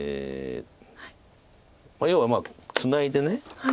要はツナいで